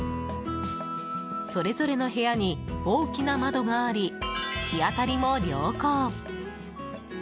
それぞれの部屋に大きな窓があり日当たりも良好。